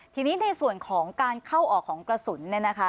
ทีนี้ในส่วนของการเข้าออกของกระสุน